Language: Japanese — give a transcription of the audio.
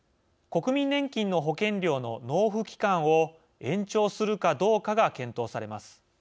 国民年金の保険料の納付期間を延長するかどうかが検討されます。